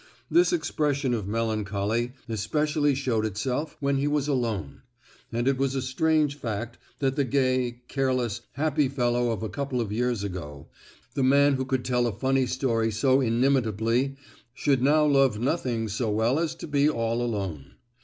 This expression of melancholy especially showed itself when he was alone; and it was a strange fact that the gay, careless, happy fellow of a couple of years ago, the man who could tell a funny story so inimitably, should now love nothing so well as to be all alone.